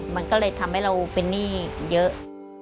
มันก็เลยทำให้เราเป็นหนี้เยอะ